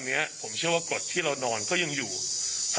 นี่นี่นี่นี่นี่นี่